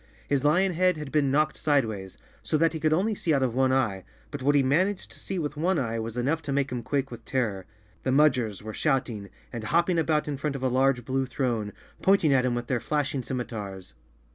His lion head had been knocked sideways, so that he could only see out of one eye, but what he man¬ aged to see with one eye was enough to make him quake with terror. The Mudgers were shouting and hopping 42 _ Chapter Three about in front of a large blue throne, pointing at him with their flashing scimitars.